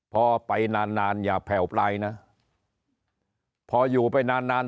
พอไปนานยาแพร่ไว้นะพออยู่ไปนาน